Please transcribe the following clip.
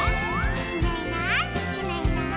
「いないいないいないいない」